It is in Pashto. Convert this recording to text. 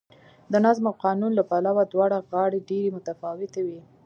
د نظم او قانون له پلوه دواړه غاړې ډېرې متفاوتې وې